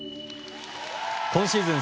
今シーズン